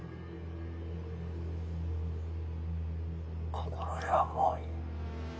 心得はもういい。